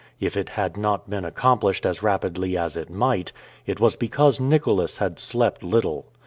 If it had not been accomplished as rapidly as it might, it was because Nicholas had slept little.